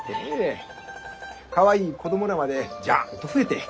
かわいい子供らまでジャンと増えて。